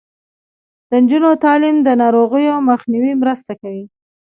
د نجونو تعلیم د ناروغیو مخنیوي مرسته کوي.